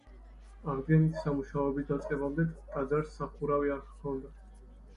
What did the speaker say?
აღდგენითი სამუშაოების დაწყებამდე ტაძარს სახურავი არ ჰქონდა.